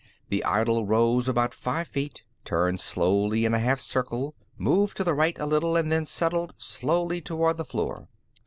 The idol rose about five feet, turned slowly in a half circle, moved to the right a little, and then settled slowly toward the floor.